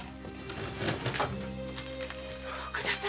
徳田様！